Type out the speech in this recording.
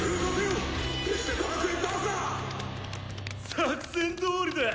作戦どおりだ！